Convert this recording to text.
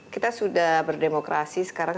kita sudah berdemokrasi sekarang